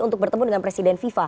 untuk bertemu dengan presiden fifa